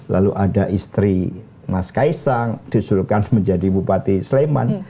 lalu ada istri mas kaisang disuruhkan menjadi bupati sleman